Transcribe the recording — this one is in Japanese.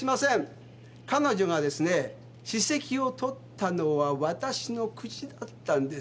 彼女がですね歯石を取ったのはわたしの口だったんです。